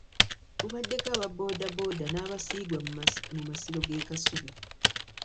Kubaddeko aba booda booda n'abasiigwa mu masiro g'ekasubi.